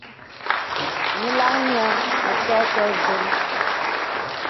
Nyìlaŋ nyə̄ nə kɛkɛ ǹzən.